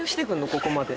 ここまで。